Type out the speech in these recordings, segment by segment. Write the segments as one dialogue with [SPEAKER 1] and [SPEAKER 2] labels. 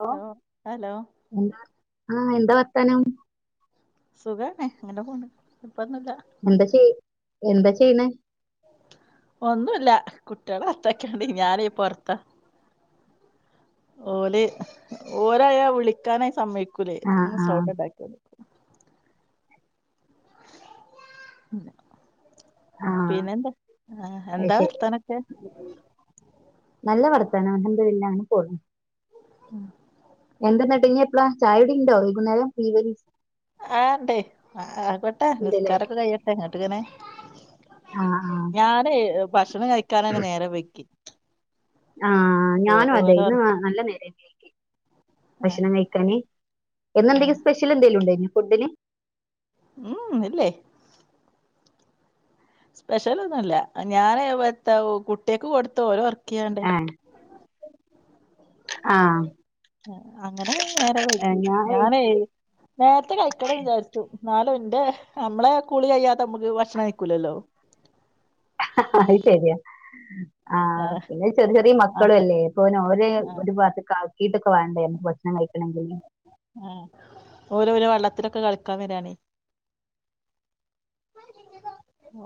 [SPEAKER 1] ഹോ
[SPEAKER 2] hello hello
[SPEAKER 1] ആ എന്താ പറഞ്ഞേ തനം
[SPEAKER 2] സുഖം തന്നെ അങ്ങനെ പോണ് കൊഴപ്പൊന്നുല്ല
[SPEAKER 1] എന്താ ചെയ്യ് എന്താ ചെയ്യുന്നേ
[SPEAKER 2] ഒന്നും ഇല്ല കുട്ടികളെ അകത്ത് ആക്കി ഞാൻ പുറത്താ ഓള് ഒരാളെ വിളിക്കാൻ സമ്മതിക്കില്ല ഓർക്കുലെ
[SPEAKER 1] ആഹ്
[SPEAKER 2] ആ
[SPEAKER 1] ആഹ്
[SPEAKER 2] സൗണ്ട് ഇണ്ടാക്കും [unintelligible]
[SPEAKER 1] ആഹ്
[SPEAKER 2] പിന്നെ എന്താ ആ
[SPEAKER 1] അത്
[SPEAKER 2] എന്താ
[SPEAKER 1] ശരി
[SPEAKER 2] വർത്താനം ഓകെ
[SPEAKER 1] അൽഹം ദുലില്ലാഹ് അങ്ങനെ പോണ്
[SPEAKER 2] [inaudible]
[SPEAKER 1] എന്തെന്നിന്ന് പിന്നെ എപ്പളാ ചായകുടിയുണ്ടോ വൈകുന്നേരം ഈവെനിംഗ്
[SPEAKER 2] ആ ഉണ്ടേ അ ആയിക്കോട്ടെ
[SPEAKER 1] ഉണ്ടല്ലേ
[SPEAKER 2] നിസ്കാരൊക്കെ കഴിയട്ടെ എന്നിട്ട് എങ്ങനെ
[SPEAKER 1] ആഹ് ആഹ്
[SPEAKER 2] ഞാന് ണം കഴിക്കാനന്നെ നേരം വെകി
[SPEAKER 1] ആ ഞാനും അതെ
[SPEAKER 2] ഓരോ
[SPEAKER 1] ഇന്ന് നല്ല നേരം വൈകി
[SPEAKER 2] ആ
[SPEAKER 1] ഭക്ഷണം കഴിക്കാന്
[SPEAKER 2] ആ
[SPEAKER 1] ഇന്നെന്തെങ്കിലും സ്പെഷ്യൽ എന്തെങ്കിലും ഉണ്ടായിഞ്ഞോ ഫുഡ്ഡിന്
[SPEAKER 2] ഉം ഉം ഇല്ലേ സ്പെഷ്യല് ഒന്നുഅല്ല ഞാന് എത്താ കുട്ട്യേക്ക് കൊടുത്ത് ഓരെ ഒർ ക്കിയാണ്ട്
[SPEAKER 1] ആ
[SPEAKER 2] അങ്ങനെ നേരം വെയ്കി ഞാനയ് നേർത്തെ കഴിക്കണെന്ന് വിചാര്ച്ചും ന്നാലും ഇന്റെ അമ്മളെ കുളി കഴിയാതെ മ്മക്ക് ഭക്ഷണം കഴിക്കൂലല്ലോ
[SPEAKER 1] മ് ആ
[SPEAKER 2] ഏഹ്
[SPEAKER 1] പിന്നെ ചെറി ചെറീമക്കളും
[SPEAKER 2] അത്
[SPEAKER 1] അല്ലേ അപ്പോപ്പിന്നെ ഓരെ
[SPEAKER 2] ആഹ്
[SPEAKER 1] ഒരു ഭാഗത്ത്ക്ക് ആക്കിയിട്ട് വാണ്ടേ മ്മക്ക് ഭക്ഷണം കഴിക്കാണെങ്കില്
[SPEAKER 2] ആ ഓരോരോ വെള്ളത്തിലൊക്കെ കളിക്കാൻ വരാണെ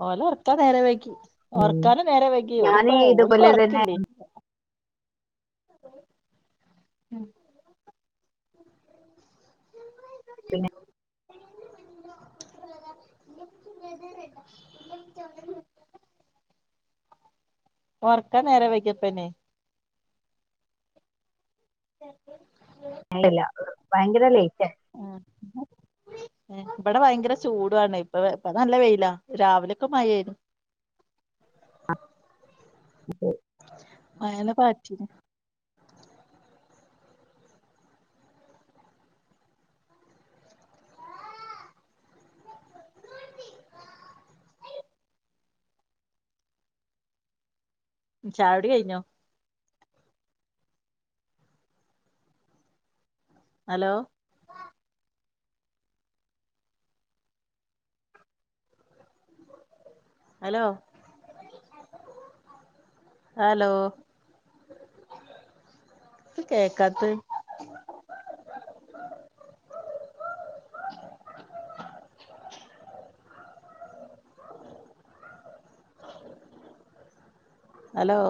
[SPEAKER 2] ഓലെ ഓർക്കാൻ നേരം വെകി
[SPEAKER 1] ഉം
[SPEAKER 2] ഒറക്കാനും നേരം വൈകി ഓല്
[SPEAKER 1] ഞാന്
[SPEAKER 2] പ്പോ ഓല്ക്ക്
[SPEAKER 1] ഇതുപോലെ തന്നെ
[SPEAKER 2] ഒറക്കില്ലേ [inaudible] ഉം
[SPEAKER 1] പിന്നെ
[SPEAKER 2] [unintelligible] ഒറക്കാൻ നേരം വൈകിയപ്പന്നെ ശരി
[SPEAKER 1] അല്ലല്ല ഭയങ്കര ലേയ്റ്റ
[SPEAKER 2] ആ ഇബ്ടെ ഭയങ്കര ചൂടു ആണേ ഇപ്പ ഇപ്പ നല്ല വെയിലാ രാവിലെക്കെ മയയാര്
[SPEAKER 1] അ
[SPEAKER 2] അയനെ പാറ്റിനി ചായുടി കയ്ഞ്ഞോ അലോ അലോ അലോ ത്ത കേക്കാത്തെ അലോ